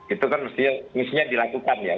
itu kan mestinya dilakukan